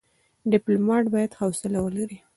ډيپلومات بايد حوصله ولري.